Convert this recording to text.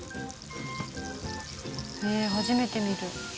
へえ初めて見る。